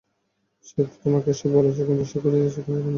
তো সে তোমাকে এইসব বলেছে কিন্তু সে কোথায় যাচ্ছে তা তোমাকে বলেনি?